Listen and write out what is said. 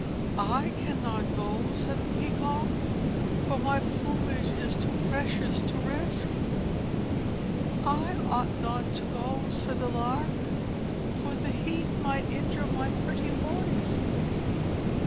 "I cannot go," said the Peacock, "for my plumage is too precious to risk." "I ought not to go," said the Lark, "for the heat might injure my pretty voice."